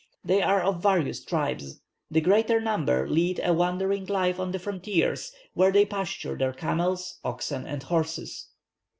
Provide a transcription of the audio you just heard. They are of various tribes; the greater number lead a wandering life on the frontiers, where they pasture their camels, oxen, and horses.